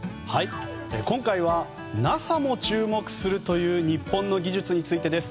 今回はＮＡＳＡも注目する日本の技術についてです。